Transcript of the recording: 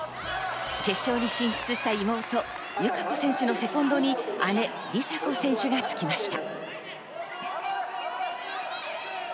決勝に進出した妹・友香子選手のセコンドに姉・梨紗子選手がつきました。